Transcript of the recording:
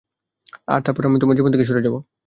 আর তারপর আমি তোমার জীবন থেকে সরে যাবো।